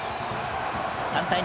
３対２。